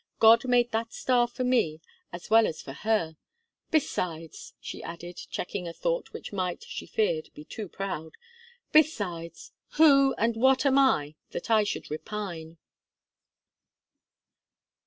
God made that star for me as well as for her! Besides," she added, checking a thought which might, she feared, be too proud, "besides, who, and what am I, that I should repine?"